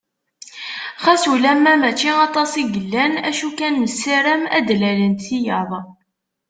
Xas ulamma mačči aṭas i yellan, acu kan nessaram ad d-lalent tiyaḍ.